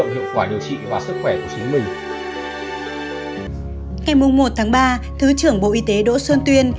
khỏa điều trị và sức khỏe của chính mình ngày một ba thứ trưởng bộ y tế đỗ xuân tuyên